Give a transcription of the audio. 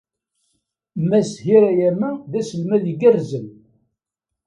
Mass Hirayama d aselmad igerrzen.